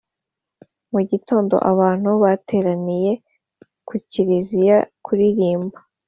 Mu gitondo abantu bateraniye ku Kiliziya kuririmba